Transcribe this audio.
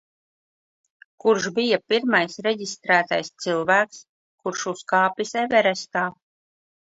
Kurš bija pirmais reģistrētais cilvēks, kurs uzkāpis Everestā.